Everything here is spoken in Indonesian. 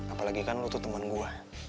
apalagi kan lu tuh temen gue